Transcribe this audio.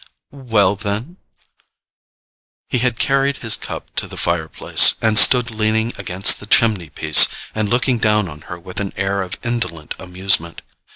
"Well, then——?" He had carried his cup to the fireplace, and stood leaning against the chimney piece and looking down on her with an air of indolent amusement.